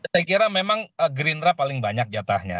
saya kira memang gerindra paling banyak jatahnya